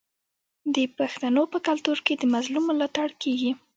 د پښتنو په کلتور کې د مظلوم ملاتړ کیږي.